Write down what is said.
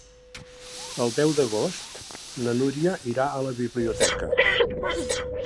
El deu d'agost na Núria irà a la biblioteca.